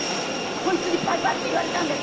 こいつにバカって言われたんです！